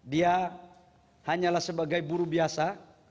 dia hanyalah sebagai buru biasa